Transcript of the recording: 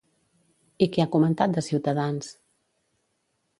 I què ha comentat de Ciutadans?